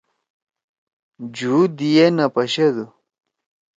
جُھوں دی ئے نہ پشَدو۔